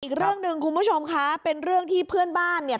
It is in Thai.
อีกเรื่องหนึ่งคุณผู้ชมคะเป็นเรื่องที่เพื่อนบ้านเนี่ย